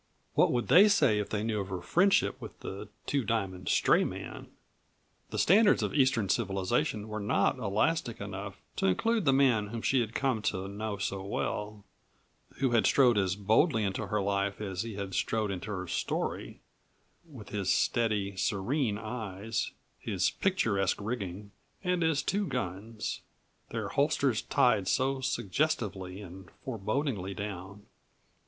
What would they say if they knew of her friendship with the Two Diamond stray man? The standards of Eastern civilization were not elastic enough to include the man whom she had come to know so well, who had strode as boldly into her life as he had strode into her story, with his steady, serene eyes, his picturesque rigging, and his two guns, their holsters tied so suggestively and forebodingly down.